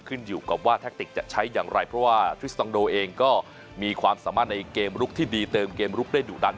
ขึ้นอยู่กับว่าแทคติกจะใช้อย่างไรเพราะว่าทริสตองโดเองก็มีความสามารถในเกมลุกที่ดีเติมเกมลุกได้ดุดัน